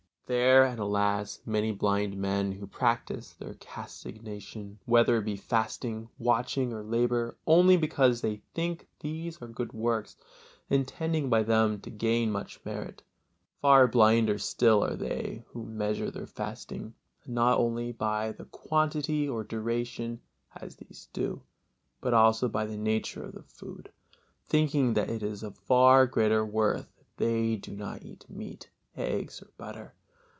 There are, alas! many blind men, who practise their castigation, whether it be fasting, watching or labor, only because they think these are good works, intending by them to gain much merit. Far blinder still are they who measure their fasting not only by the quantity or duration, as these do, but also by the nature of the food, thinking that it is of far greater worth if they do not eat meat, eggs or butter.